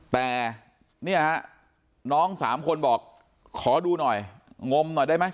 แต่เนี่ยฮะน้องสามคนบอกขอดูหน่อยงมหน่อยได้ไหม